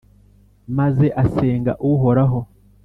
maze asenga Uhoraho,